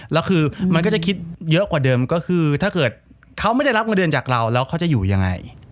แล้วคือมันก็จะคิดเยอะกว่าเดิมก็คือถ้าเกิดเขาไม่ได้รับเงินเดือนจากเราแล้วเขาจะอยู่ยังไง